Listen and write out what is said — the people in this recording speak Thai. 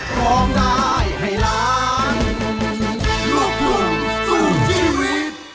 โปรดติดตามตอนต่อไป